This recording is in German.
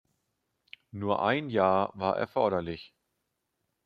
Nur ein Jahr war erforderlich!